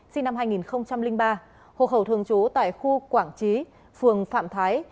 sinh năm hai nghìn ba hồ khẩu thường trú tại khu quảng trí phường phạm thái